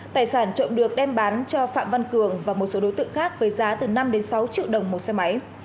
tài sản trộm được đem bán cho phạm văn cường và một số đối tượng khác với giá từ năm sáu triệu đồng một xe máy